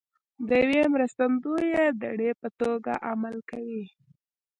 د یوې مرستندویه دړې په توګه عمل کوي